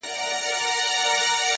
o پر وظیفه عسکر ولاړ دی تلاوت کوي.